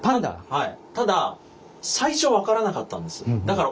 はい。